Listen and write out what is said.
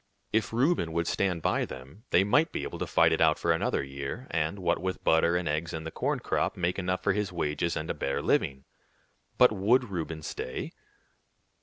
If Reuben would stand by them, they might be able to fight it out for another year, and, what with butter and eggs and the corn crop, make enough for his wages and a bare living. But would Reuben stay?